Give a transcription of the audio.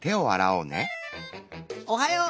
おはよう！